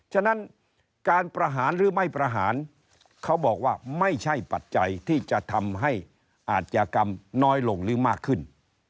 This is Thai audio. ฉะนั้นการประหารหรือไม่ประหารเขาบอกว่าไม่ใช่ปัจจัยที่จะทำให้อาจยากรรมน้อยลงหรือมากขึ้น